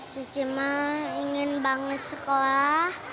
cici mah ingin banget sekolah